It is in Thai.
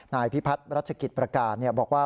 นายพิพัฒน์รัชกิจประการบอกว่า